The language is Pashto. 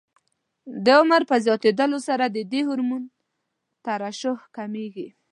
د عمر په زیاتېدلو سره د دې هورمون ترشح کمېږي.